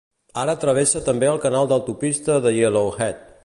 Ara travessa també el canal l'autopista de Yellowhead.